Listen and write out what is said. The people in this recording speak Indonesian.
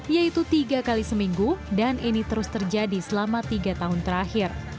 yaitu tiga kali seminggu dan ini terus terjadi selama tiga tahun terakhir